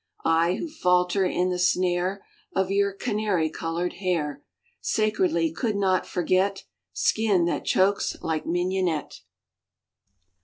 I who falter in the snare Of your canary colored hair. Sacredly could not forget Skin that chokes like mignonette.